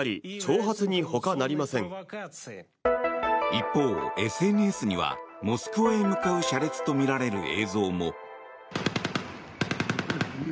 一方、ＳＮＳにはモスクワへ向かう車列とみられる映像も。